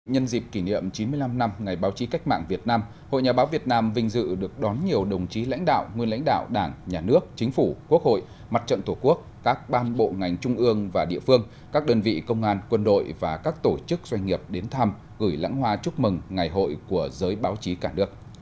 nhân dịp kỷ niệm chín mươi năm năm ngày báo chí cách mạng việt nam hội nhà báo việt nam vinh dự được đón nhiều đồng chí lãnh đạo nguyên lãnh đạo đảng nhà nước chính phủ quốc hội mặt trận tổ quốc các ban bộ ngành trung ương và địa phương các đơn vị công an quân đội và các tổ chức doanh nghiệp đến thăm gửi lãng hoa chúc mừng ngày hội của giới báo chí cả nước